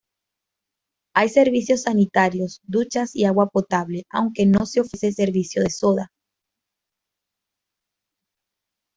Hay servicios sanitarios, duchas y agua potable, aunque no se ofrece servicio de soda.